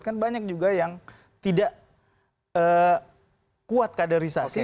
kan banyak juga yang tidak kuat kaderisasi